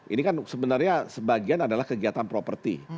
ini kan sebenarnya sebagian adalah kegiatan properti